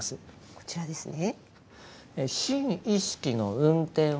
こちらですね。